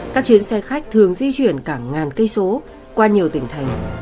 các chuyến xe khách thường di chuyển cả ngàn cây số qua nhiều tỉnh thành